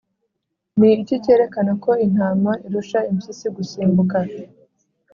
ni iki kerekana ko intama irusha impyisi gusimbuka?